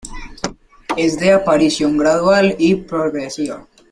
Es de aparición gradual y progresiva.